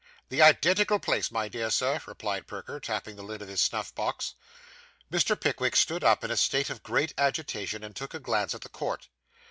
'The identical place, my dear Sir,' replied Perker, tapping the lid of his snuff box. Mr. Pickwick stood up in a state of great agitation, and took a glance at the court.